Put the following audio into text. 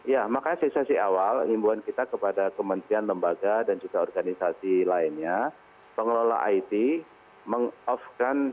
ya makanya sisa si awal himbuan kita kepada kementerian lembaga dan juga organisasi lainnya pengelola it meng off kan